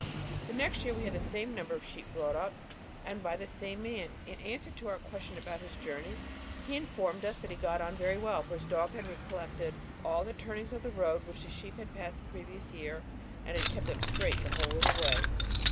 The next year we had the same number of sheep brought up, and by the same man. In answer to our question about his journey, he informed us that he had got on very well, for his dog had recollected all the turnings of the road which the sheep had passed the previous year, and had kept them straight the whole of the way.